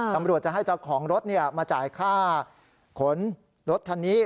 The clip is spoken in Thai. ตำรวจจะให้เจ้าของรถมาจ่ายค่าขนรถคันนี้